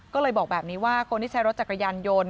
ก็เลยบอกแบบนี้ว่าคนที่ใช้รถจักรยานยนต์